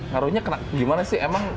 harunya gimana sih